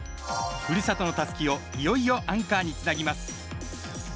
ふるさとのたすきをいよいよアンカーにつなぎます。